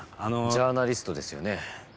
ジャーナリストですよね。